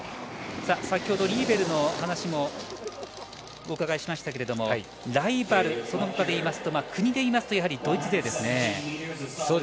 先ほどリーベルの話もお伺いしましたけれどもライバルを国でいいますとドイツ勢ですね。